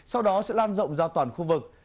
sau đó sẽ lan rộng ra toàn khu vực